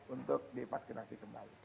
untuk divaksinasi kembali